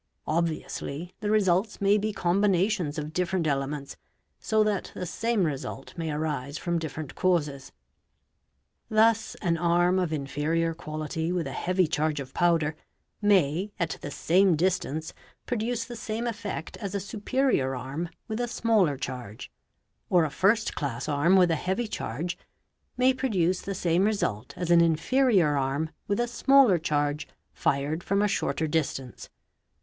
Obviously the results may be combinations of different elements, so that the same result may arise from different causes. Thus an arm of inferior quality with a heavy charge of powder, may at the same distance produce — the same effect as a superior arm with a smaller charge; or a first class — arm with a heavy charge may produce the same result as an inferior arm with a smaller charge fired from a shorter distance.